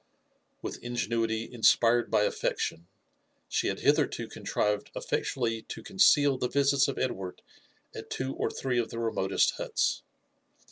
With ingenuity inspired by affection^ she had hitherto contrived effectually to conceal the visits of Edward a^t two or three of the remotest huts.